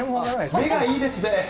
目がいいですね。